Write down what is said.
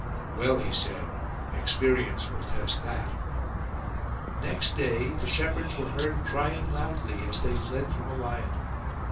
"Well," he said, "experience will test that." Next day the shepherds were heard crying loudly as they fled from a lion.